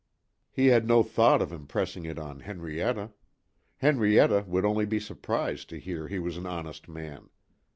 He had no thought of impressing it on Henrietta. Henrietta would only be surprised to hear he was an honest man.